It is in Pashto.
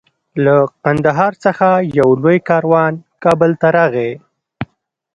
له قندهار څخه یو لوی کاروان کابل ته راغی.